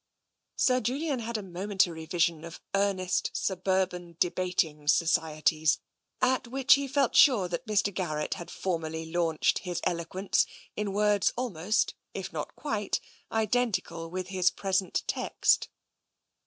*' Sir Julian had a momentary vision of earnest sub urban debating societies, at which he felt sure that Mr. Garrett had formerly launched his eloquence, in words almost, if not quite, identical with his present text.